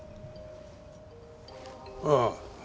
ああ。